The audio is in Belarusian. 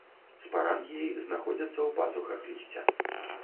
Спарангіі знаходзяцца ў пазухах лісця.